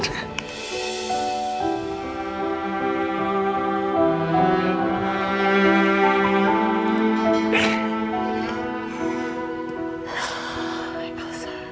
aku harus gimana